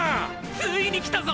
「ついに来たぞ！